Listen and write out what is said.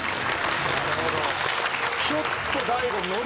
ちょっと大悟。